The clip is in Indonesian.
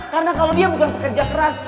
karena kalau dia bukan pekerja keras